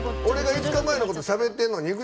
俺が５日前のことしゃべってるのに。